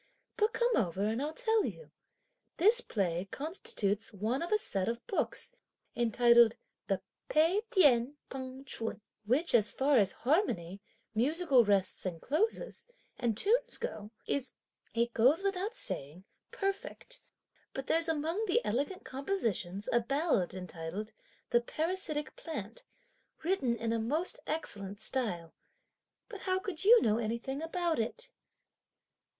But come over and I'll tell you. This play constitutes one of a set of books, entitled the 'Pei Tien Peng Ch'un,' which, as far as harmony, musical rests and closes, and tune go, is, it goes without saying, perfect; but there's among the elegant compositions a ballad entitled: 'the Parasitic Plant,' written in a most excellent style; but how could you know anything about it?"